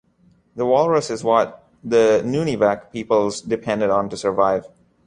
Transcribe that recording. The walrus is what the Nunivak peoples depended on to survive.